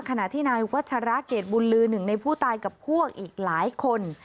ขณะที่นายวัชระเกรดบุญลือหนึ่งในผู้ตายกับพวกอีกหลายคน